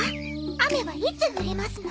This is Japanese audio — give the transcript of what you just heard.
雨はいつ降りますの？